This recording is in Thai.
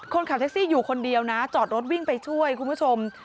คนขับแท็กซี่อยู่คนเดียวนะจอดรถวิ่งไปช่วยคุณผู้ชม